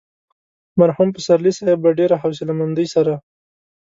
مرحوم پسرلي صاحب په ډېره حوصله مندۍ سره.